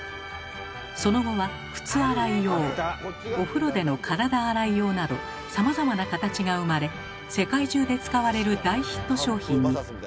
その後は靴洗い用お風呂での体洗い用などさまざまな形が生まれ世界中で使われる大ヒット商品に。